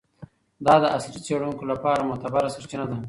دا د عصري څیړونکو لپاره معتبره سرچینه ده.